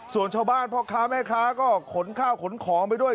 ส่วนชาวบ้านพ่อค้าแม่ค้าก็ขนข้าวขนของไปด้วย